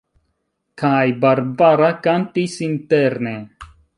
Kaj Barbara kantis interne.